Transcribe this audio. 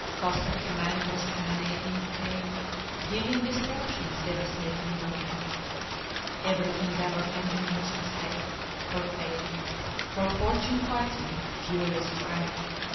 Cossack commanders cannonading come, Dealing destruction's devastating doom. Every endeavor engineers essay, For fame, for fortune fighting furious fray!